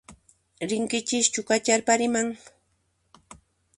Rinkichischu kacharpariyman?